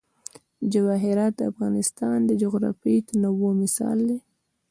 جواهرات د افغانستان د جغرافیوي تنوع مثال دی.